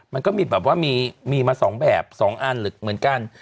มันก็มีมาสองแบบสองอันเหมือนกัน